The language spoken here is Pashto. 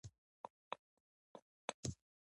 زړونه راټول کړئ.